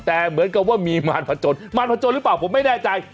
แต่เหมือนกับว่ามีมารพจนมารพจนหรือเปล่าผมไม่แน่ใจ